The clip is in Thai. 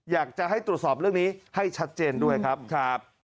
อยากจะให้ตรวจสอบเรื่องนี้ให้ชัดเจนด้วยครับ